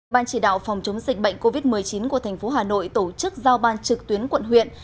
ban chỉ đạo phòng chống dịch bệnh covid một mươi chín của thành phố hà nội tổ chức giao ban trực tuyến quận huyện